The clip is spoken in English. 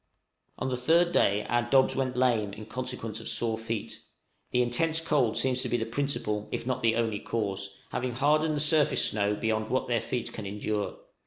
On the third day our dogs went lame in consequence of sore feet; the intense cold seems to be the principal, if not the only cause, having hardened the surface snow beyond what their feet can endure.